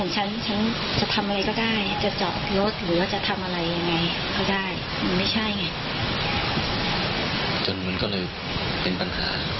จนมันก็เลยเป็นปัญหา